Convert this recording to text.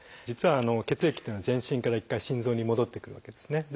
実は血液っていうのは全身から一回心臓に戻ってくるわけですね。